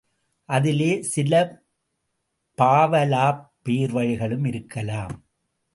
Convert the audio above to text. அதிலே சில பாவலாப் பேர்வழிகளும் இருக்கலாம்.